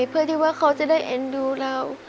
เพื่อที่ว่าเขาจะได้เอ็นดูเรา